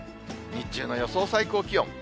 日中の予想最高気温。